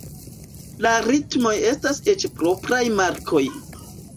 La ritmoj estas eĉ propraj markoj.